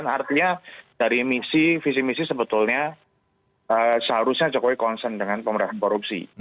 artinya dari visi visi sebetulnya seharusnya jokowi konsen dengan pemerintahan korupsi